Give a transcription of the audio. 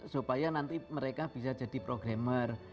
supaya nanti mereka bisa jadi programmer